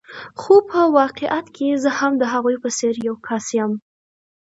خو په واقعیت کې زه هم د هغوی په څېر یو کس یم.